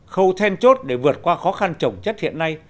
khâu then chốt để vượt qua khó khăn trồng chất hiện nay